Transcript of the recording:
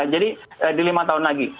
jadi di lima tahun lagi